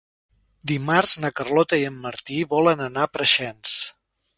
Dimarts na Carlota i en Martí volen anar a Preixens.